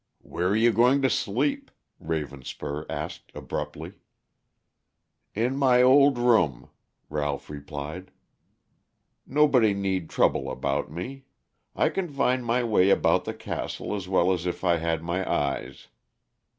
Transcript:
"Where are you going to sleep?" Ravenspur asked abruptly. "In my old room," Ralph replied. "Nobody need trouble about me. I can find my way about the castle as well as if I had my eyes.